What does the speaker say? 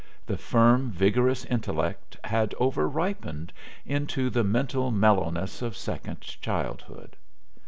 The firm, vigorous intellect had overripened into the mental mellowness of second childhood.